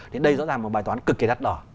thì đây rõ ràng là một bài toán cực kỳ đắt đỏ